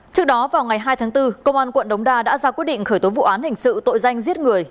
trước đó vào ngày hai tháng bốn công an quận đống đa đã ra quyết định khởi tố vụ án hình sự tội danh giết người